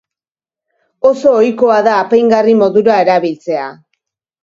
Oso ohikoa da apaingarri modura erabiltzea.